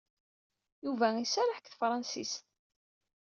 Yuba iserreḥ deg tefṛensist.